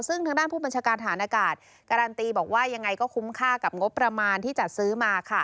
ซึ่งทางด้านผู้บัญชาการฐานอากาศการันตีบอกว่ายังไงก็คุ้มค่ากับงบประมาณที่จัดซื้อมา